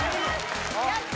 やった！